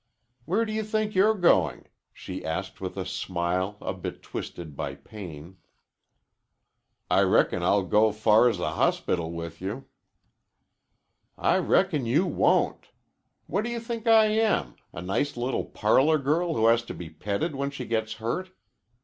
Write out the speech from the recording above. "Where do you think you're going?" she asked with a smile a bit twisted by pain. "I reckon I'll go far as the hospital with you." "I reckon you won't. What do you think I am a nice little parlor girl who has to be petted when she gets hurt?